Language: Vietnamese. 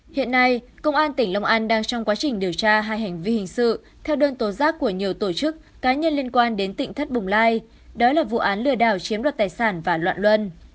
hiện nay công an tỉnh long an đang trong quá trình điều tra hai hành vi hình sự theo đơn tố giác của nhiều tổ chức cá nhân liên quan đến tỉnh thất bồng lai đó là vụ án lừa đảo chiếm đoạt tài sản và loạn luân